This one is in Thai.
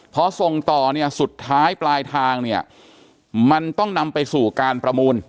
พอส่งต่อเนี่ยสุดท้ายปลายทางเนี่ยมันต้องนำไปสู่การประมูล